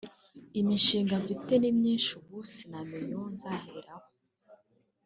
Imishinga mfite ni myinshi ubu sinamenya uwo nzaheraho